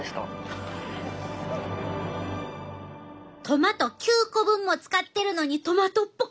トマト９個分も使っているのにトマトっぽくない。